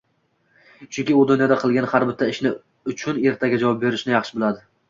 Chunki, u dunyoda qilgan har bitta ishi uchun ertaga javob berishini yaxshi biladi.